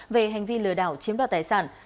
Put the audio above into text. về hành vi lừa đảo chiếm đoạt tài sản